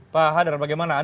pak hadran bagaimana